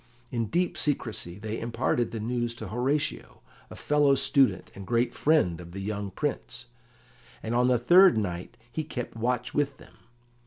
In deep secrecy they imparted the news to Horatio, a fellow student and great friend of the young Prince, and on the third night he kept watch with them.